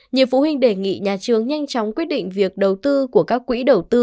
nhiều phụ huynh đề nghị nhà trường nhanh chóng quyết định việc đầu tư của các quỹ đầu tư